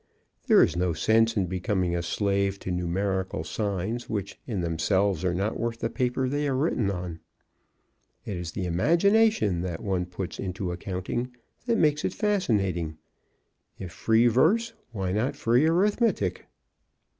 There is no sense in becoming a slave to numerical signs which in themselves are not worth the paper they are written on. It is the imagination that one puts into accounting that makes it fascinating. If free verse, why not free arithmetic?